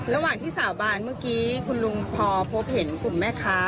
ระหว่างที่สาบานเมื่อกี้คุณลุงพอพบเห็นกลุ่มแม่ค้า